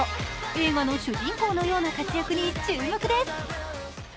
映画の主人公のような活躍に注目です。